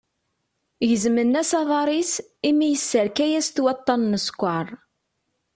Gezmen-as aṭar-is, imi ysserka-as-t waṭṭan n ssker.